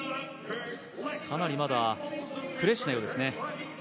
かなりまだフレッシュなようですね。